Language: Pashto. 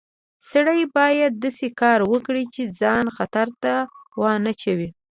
سړی باید داسې کار وکړي چې ځان خطر ته ونه اچوي